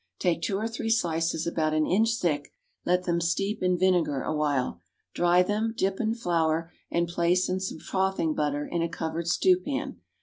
Take two or three slices about an inch thick, let them steep in vinegar awhile. Dry them, dip in flour, and place in some frothing butter in a covered stewpan.